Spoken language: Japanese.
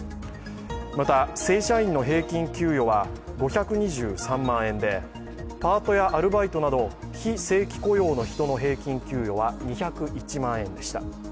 また正社員の平均給与は５２３万円でパートやアルバイトなど非正規雇用の人の平均給与は２０１万円でした。